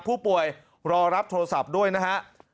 ผู้ป่วยรอรับโทรศัพท์ด้วยนะฮะ